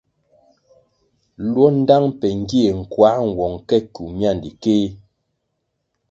Luo ndtang pe gie nkuăh nwong ke kywu miandikéh.